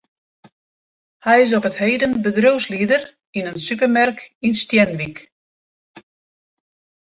Hy is op 't heden bedriuwslieder yn in supermerk yn Stienwyk.